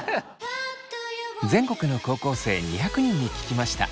全国の高校生２００人に聞きました。